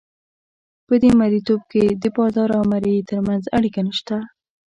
په دې مرییتوب کې د بادار او مریي ترمنځ اړیکه نشته.